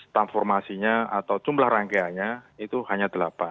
transformasinya atau jumlah rangkaiannya itu hanya delapan